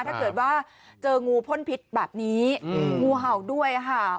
ถ้าเกิดว่าเจองูพ่นพิษแบบนี้งูเห่าด้วยค่ะ